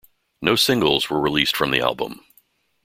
No singles were released from the album.